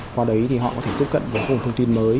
qua đấy thì họ có thể tiếp cận với hồn thông tin mới